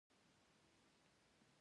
ایا ستاسو دسترخوان پراخ دی؟